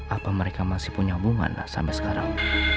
apa mereka masih punya hubungan sampai sekarang